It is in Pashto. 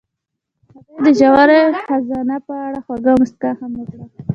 هغې د ژور خزان په اړه خوږه موسکا هم وکړه.